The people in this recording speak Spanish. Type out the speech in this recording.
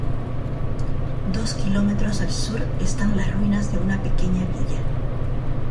Dos kilómetros al sur están las ruinas de una pequeña villa.